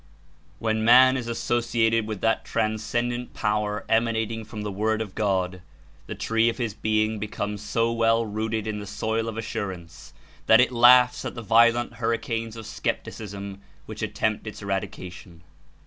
JVhen man is associated with that transcendent Power emanating from the Word of God, the tree of his being becomes so well rooted in the soil of assurance that it laughs at the violent hurricanes of skepticism which attempt its eradication.